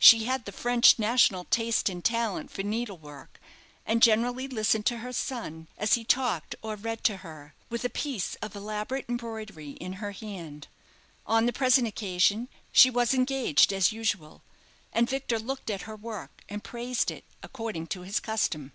She had the French national taste and talent for needlework, and generally listened to her son, as he talked or read to her, with a piece of elaborate embroidery in her hand. On the present occasion, she was engaged as usual, and Victor looked at her work and praised it, according to his custom.